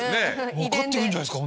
分かって来るんじゃないですか。